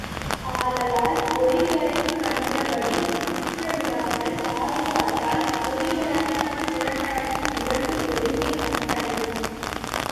ஆதலால், பொறிகளைக் கண்டபடி சுற்றவிடாமல் பாதுகாத்தால் பொறியடக்கம் புலனடக்கம் இரண்டும் ஒருங்கே வந்தனையும்.